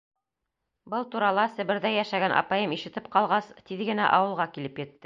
Был турала Себерҙә йәшәгән апайым ишетеп ҡалғас, тиҙ генә ауылға килеп етте.